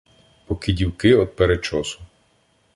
Поки дівки од перечосу